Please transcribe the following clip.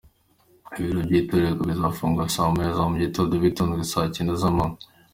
Ibiro by’itora bizafungurwa saa moya za mugitondo bifungwe saa cyenda z’amanywa.